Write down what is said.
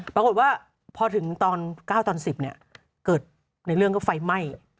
ปรากฏว่าพอถึงตอน๙ตอน๑๐เนี่ยเกิดในเรื่องก็ไฟไหม้